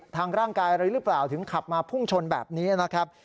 ทางร่างกายอะไรหรือเปล่าถึงขับมาพุ่งชนแบบนี้นะครับ